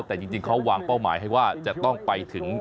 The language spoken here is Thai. และทางป้องหมายให้ว่าจะต้องไปถึง